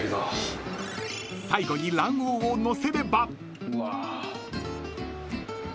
［最後に卵黄をのせれば］